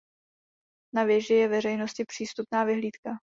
Na věži je veřejnosti přístupná vyhlídka.